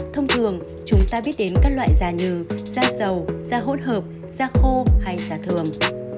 thông thường chúng ta biết đến các loại già như da dầu da hỗn hợp da khô hay già thường